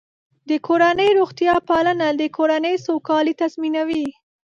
د کورنۍ روغتیا پالنه د کورنۍ سوکالي تضمینوي.